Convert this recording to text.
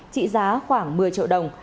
trị giá khoảng một mươi triệu đồng